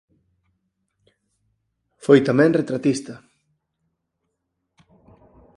Foi tamén retratista.